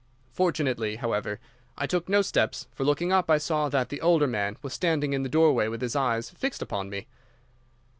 Fortunately, however, I took no steps, for looking up I saw that the older man was standing in the doorway with his eyes fixed upon me.